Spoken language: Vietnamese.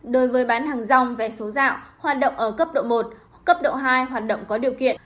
đối với bán hàng rong vé số dạo hoạt động ở cấp độ một cấp độ hai hoạt động có điều kiện